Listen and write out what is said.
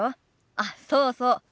あっそうそう。